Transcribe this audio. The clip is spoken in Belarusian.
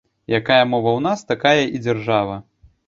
Якая мова ў нас, такая і дзяржава.